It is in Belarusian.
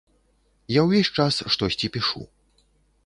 Я ўвесь час штосьці пішу.